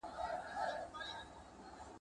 که دولت د دین خلاف وي نو اطاعت یې مه کوئ.